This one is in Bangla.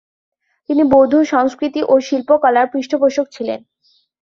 তিনি বৌদ্ধ সংস্কৃতি ও শিল্পকলার পৃষ্ঠপোষক ছিলেন।